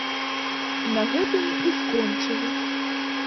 На гэтым і скончылі.